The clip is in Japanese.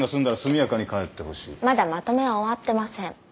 まだまとめは終わってません。